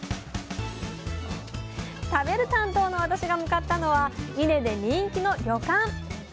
食べる担当の私が向かったのは伊根で人気の旅館。